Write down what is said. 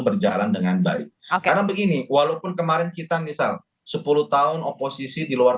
berjalan dengan baik karena begini walaupun kemarin kita misal sepuluh tahun oposisi di luar